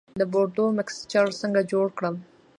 د بورډو مکسچر څنګه جوړ کړم؟